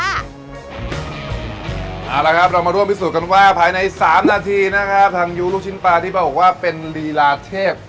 เอาละครับเรามาร่วมพิสูจนกันว่าภายใน๓นาทีนะครับทางยูลูกชิ้นปลาที่บอกว่าเป็นลีลาเทพ